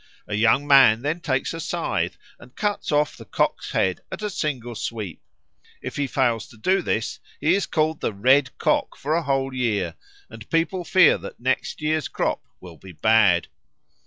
A young man then takes a scythe and cuts off the cock's head at a single sweep. If he fails to do this, he is called the Red Cock for a whole year, and people fear that next year's crop will be bad.